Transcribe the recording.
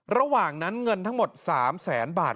ระหว่างนั้นเงินทั้งหมด๓แสนบาท